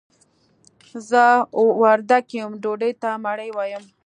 زه وردګ يم ډوډۍ ته مړۍ وايم.